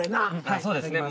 はいそうですね。